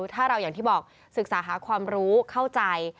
ถ้าเราอย่างที่บอกศึกษาหาความรู้เข้าใจ